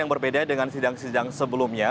yang berbeda dengan sidang sidang sebelumnya